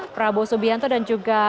prabowo subianto dan juga